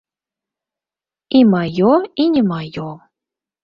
І маё, і не маё.